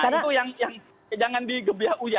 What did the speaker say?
karena itu yang jangan digebiah uya